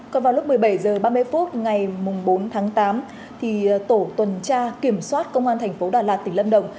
còn vào lúc một mươi bảy h ba mươi phút ngày bốn tháng tám tổ tuần tra kiểm soát công an thành phố đà lạt tỉnh lâm đồng